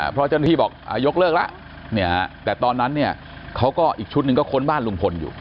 เพราะเจ้าหน้าที่บอกยกเลิกแล้วแต่ตอนนั้นเนี่ยเขาก็อีกชุดหนึ่งก็ค้นบ้านลุงพลอยู่